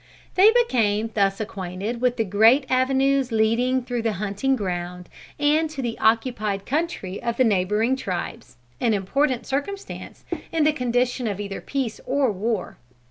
They became thus acquainted with the great avenues leading through the hunting ground, and to the occupied country of the neighboring tribes an important circumstance in the condition of either peace or war.